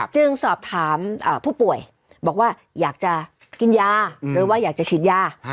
จึงสอบถามผู้ป่วยบอกว่าอยากจะกินยาโดยว่าอยากจะฉีดยา